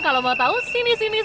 kalau mau tahu sini sini